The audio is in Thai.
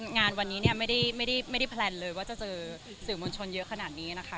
งานวันนี้เนี่ยไม่ได้แพลนเลยว่าจะเจอสื่อมวลชนเยอะขนาดนี้นะคะ